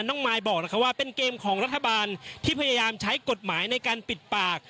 มายบอกนะคะว่าเป็นเกมของรัฐบาลที่พยายามใช้กฎหมายในการปิดปาก